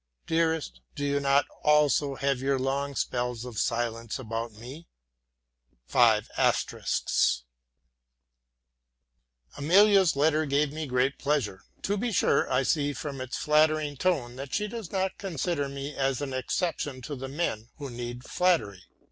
Dearest, do you not also have your long spells of silence about me? Amalia's letter gave me great pleasure. To be sure, I see from its flattering tone that she does not consider me as an exception to the men who need flattery.